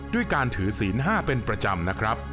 ด้วยการถือศีล๕เป็นประจำนะครับ